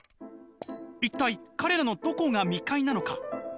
「一体彼らのどこが未開なのか？